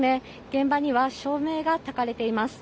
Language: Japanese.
現場には照明がたかれています。